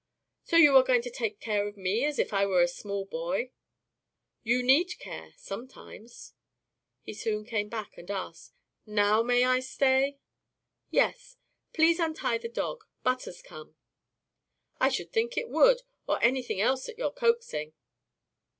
"So you are going to take care of me as if I were a small boy?" "You need care sometimes." He soon came back and asked, "Now may I stay?" "Yes. Please untie the dog. Butter's come." "I should think it would, or anything else at your coaxing."